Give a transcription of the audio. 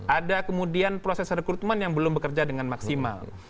ada kemudian proses rekrutmen yang belum bekerja dengan maksimal